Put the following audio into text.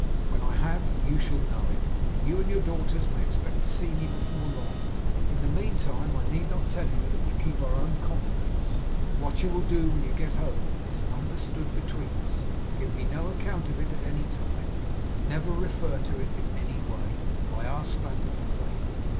When I have, you shall know it. You and your daughters may expect to see me before long; in the meantime I need not tell you that we keep our own confidence. What you will do when you get home is understood between us. Give me no account of it at any time; and never refer to it in any way. I ask that as a favour.